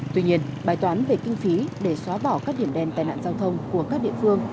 tuy nhiên bài toán về kinh phí để xóa bỏ các điểm đen tai nạn giao thông của các địa phương